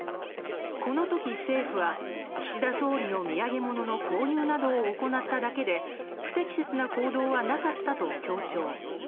この時、政府は岸田総理の土産物の購入などを行っただけで不適切な行動はなかったと強調。